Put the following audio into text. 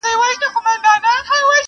پر ملخ یې سترګي نه سوای پټولای,